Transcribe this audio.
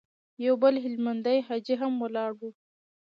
يو بل هلمندی حاجي هم ولاړ و.